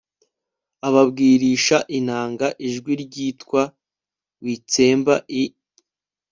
ababwirisha inanga ijwi ryitwa witsemba i